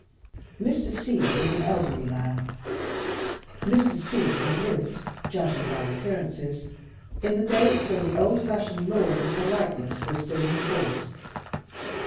Mr. C was an elderly man; Mr. C had lived (judging by appearances) in the days when the old fashioned laws of politeness were still in force.